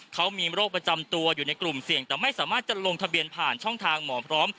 เขามีโรคประจำตัวอยู่ในกลุ่มเสี่ยงแต่ไม่สามารถจะลงทะเบียนผ่านช่องทางหมอพร้อม